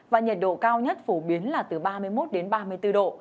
và nhiệt độ cao nhất phổ biến là từ ba mươi một đến ba mươi bốn độ